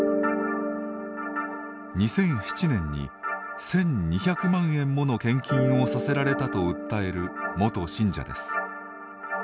２００７年に、１２００万円もの献金をさせられたと訴える元信者です。